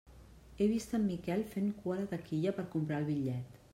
He vist en Miquel fent cua a la taquilla per comprar el bitllet.